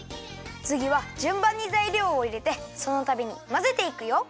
つぎはじゅんばんにざいりょうをいれてそのたびにまぜていくよ。